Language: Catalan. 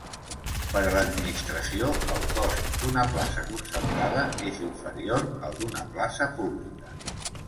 Per a l'administració el cost d'una plaça concertada és inferior al d'una plaça pública.